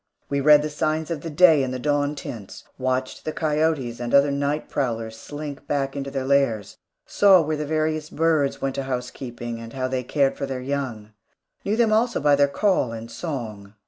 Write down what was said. We read the signs of the day in the dawn tints; watched the coyotes and other night prowlers slink back to their lairs; saw where the various birds went to housekeeping, and how they cared for their young; knew them also by their call and song.